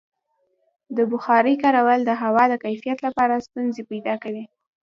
د بخارۍ کارول د هوا د کیفیت لپاره ستونزې پیدا کوي.